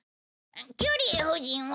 キュリー夫人は？